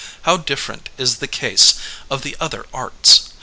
How different is the case of the other arts!